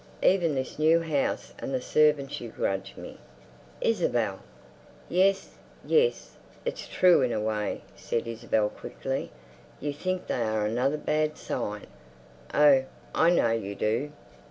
Even this new house and the servants you grudge me." "Isabel!" "Yes, yes, it's true in a way," said Isabel quickly. "You think they are another bad sign. Oh, I know you do.